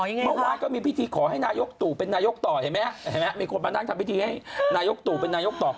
เมื่อวานก็มีพิธีขอให้นายกตู่เป็นนายกต่อเห็นไหมฮะเห็นไหมมีคนมานั่งทำพิธีให้นายกตู่เป็นนายกต่อ